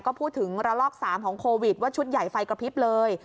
ก็พูดถึงระลอก๓ของโควิดว่าชุดใหญ่ไฟกระพริบเลย